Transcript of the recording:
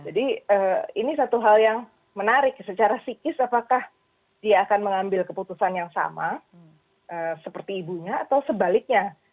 jadi ini satu hal yang menarik secara psikis apakah dia akan mengambil keputusan yang sama seperti ibunya atau sebaliknya